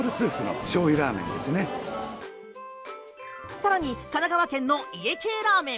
更に神奈川県の家系ラーメン！